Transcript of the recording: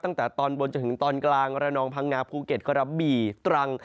ตั้งแต่ตอนบนจนถึงตอนกลางระนองพังงาภูเก็ตกระบี่ตรัง